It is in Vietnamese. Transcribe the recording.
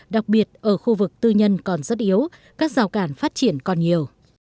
đặc biệt ở khu vực tư nhân còn rất yếu các rào cản phát triển còn nhiều